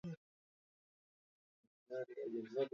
Je, ni hatari kwa mtoto kuongea na watu ambao hawajui?